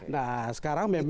nah sekarang memang